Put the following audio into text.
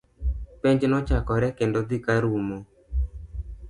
Penj nochakore kendo dhi karumo